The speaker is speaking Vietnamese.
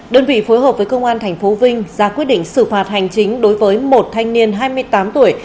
đơn vị phối hợp với công an tp vinh ra quyết định xử phạt hành chính đối với một thanh niên hai mươi tám tuổi